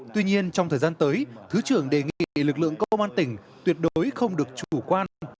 tuy nhiên trong thời gian tới thứ trưởng đề nghị lực lượng công an tỉnh tuyệt đối không được chủ quan